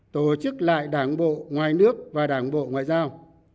tổ chức lại đảng bộ ngoài nước và đảng bộ ngoại giao